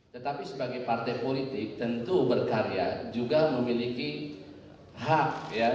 tetapi sebagai partai politik tentu berkarya juga memiliki hak